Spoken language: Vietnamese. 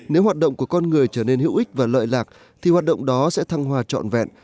nếu hoạt động của con người trở nên hữu ích và lợi lạc thì hoạt động đó sẽ thăng hòa trọn vẹn